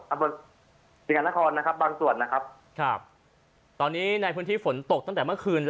อำเภอพิการนครนะครับบางส่วนนะครับครับตอนนี้ในพื้นที่ฝนตกตั้งแต่เมื่อคืน